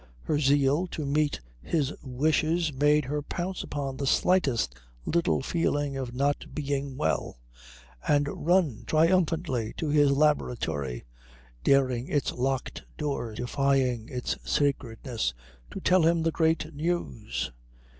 Her zeal to meet his wishes made her pounce upon the slightest little feeling of not being well and run triumphantly to his laboratory, daring its locked door, defying its sacredness, to tell him the great news.